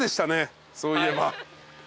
そういえば。